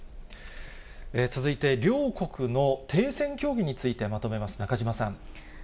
続いて、両国の停戦協議についてまとめます、中島さん。